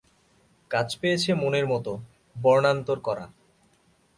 কাজ পেয়েছে মনের মতো, বর্ণান্তর করা।